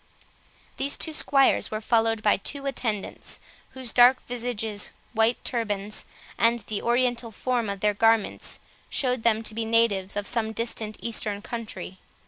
These two squires were followed by two attendants, whose dark visages, white turbans, and the Oriental form of their garments, showed them to be natives of some distant Eastern country.